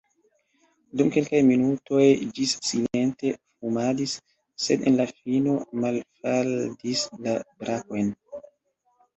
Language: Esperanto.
Dum kelkaj minutoj ĝi silente fumadis, sed en la fino malfaldis la brakojn.